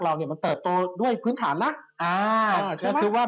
มันเปิดโตด้วยพื้นฐานนะ